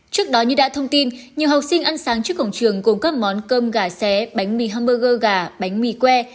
trước đó như đã thông tin nhiều học sinh ăn sáng trước cổng trường gồm các món cơm gà xé bánh mì hamburger gà bánh mì que